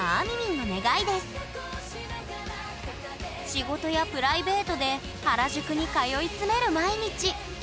仕事やプライベートで原宿に通い詰める毎日。